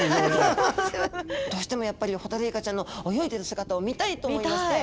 どうしてもやっぱりホタルイカちゃんの泳いでる姿を見たいと思いまして。